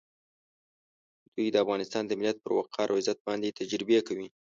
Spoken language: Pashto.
دوی د افغانستان د ملت پر وقار او عزت باندې تجربې کوي.